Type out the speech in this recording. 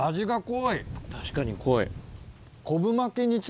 確かに濃い。